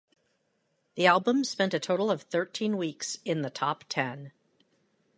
The album spent a total of thirteen weeks in the top ten.